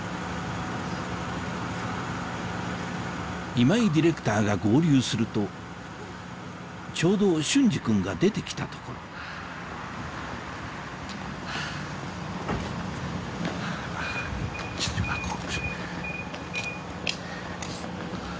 今井ディレクターが合流するとちょうど隼司君が出て来たところ４時半すぎぐらいから。